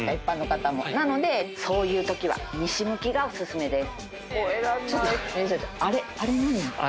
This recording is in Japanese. なのでそういうときは西向きがお薦めです。